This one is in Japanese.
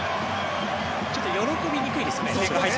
ちょっと喜びにくいですよね。